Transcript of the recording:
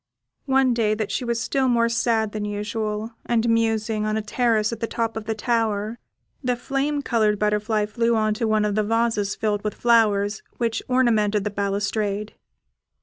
One day that she was still more sad than usual, and musing, on a terrace at the top of the tower, the flame coloured butterfly flew on to one of the vases filled with flowers, which ornamented the balustrade.